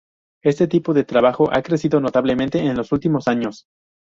Este tipo de trabajo ha crecido notablemente en los últimos años.